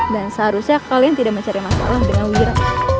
dan seharusnya kalian tidak mencari masalah dengan wira